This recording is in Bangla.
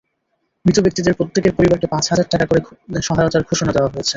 মৃত ব্যক্তিদের প্রত্যেকের পরিবারকে পাঁচ হাজার টাকা করে সহায়তার ঘোষণা দেওয়া হয়েছে।